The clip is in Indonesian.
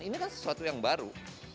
ini kan sesuatu yang baru